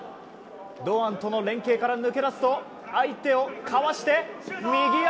堂安との連係から抜け出すと相手をかわして右足。